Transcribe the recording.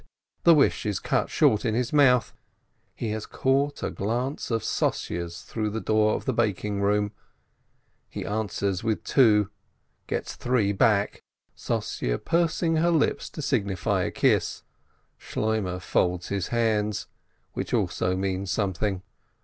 .." The wish is cut short in his mouth, he has caught a glance of Sossye's through the door of the baking room, he answers with two, gets three back, Sossye pursing her lips to signify a kiss. Shloimeh folds his hands, which also means something.